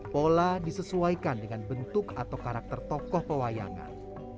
pola disesuaikan dengan bentuk atau karakter tokoh pewayangan